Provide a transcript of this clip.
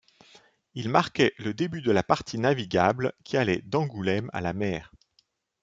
Il marquait le début de la partie navigable, qui allait d'Angoulême à la mer.